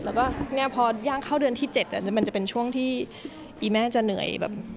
แล้วพอย่างเข้าเดือนที่๗มันจะเป็นช่วงที่ไอ้แม่จะเหนื่อย